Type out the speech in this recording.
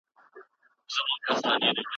موږ د نوي کال لپاره پلان لرو.